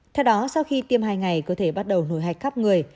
theo đó sau khi tiêm hai ngày cơ thể bắt đầu nổi hạch khắp người